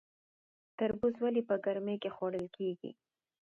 تربوز ولې په ګرمۍ کې خوړل کیږي؟